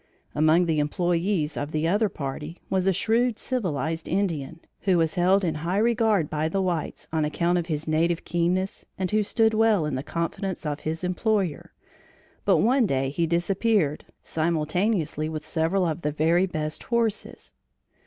Among the employees of the other party, was a shrewd civilized Indian, who was held in high regard by the whites on account of his native keenness, and who stood well in the confidence of his employer; but one day he disappeared, simultaneously with several of the very best horses.